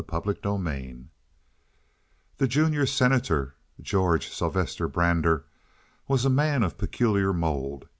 CHAPTER III The junior Senator, George Sylvester Brander, was a man of peculiar mold.